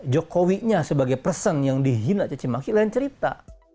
jokowi nya sebagai person yang dihina ceci maki lain cerita